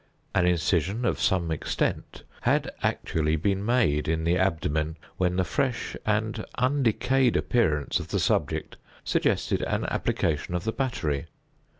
An incision of some extent had been actually made in the abdomen, when the fresh and undecayed appearance of the subject suggested an application of the battery.